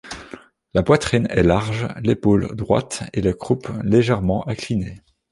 La poitrine est large, l'épaule droite et la croupe légèrement inclinée.